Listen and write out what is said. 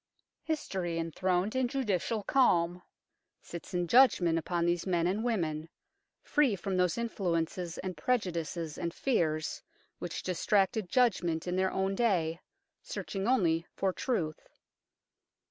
History, enthroned in judicial calm, sits in judgment upon these men and women, free from those influences and prejudices and fears which distracted judgment in their own day, searching only for truth.